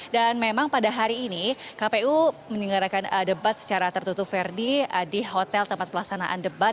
dan memang pada hari ini kpu menyelenggarakan debat secara tertutup ferdi di hotel tempat pelaksanaan debat